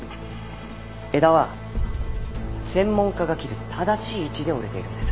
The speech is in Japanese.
枝は専門家が切る正しい位置で折れているんです。